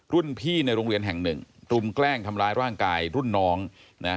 รุ่นพี่ในโรงเรียนแห่งหนึ่งรุมแกล้งทำร้ายร่างกายรุ่นน้องนะ